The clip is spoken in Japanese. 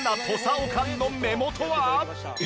おかんの目元は。